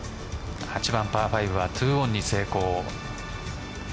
８番パー５は２オンに成功。